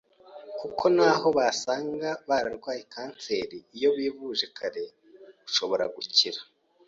kuko n’aho basanga baranduye Cancer iyo wivuje kare ushobora gukira.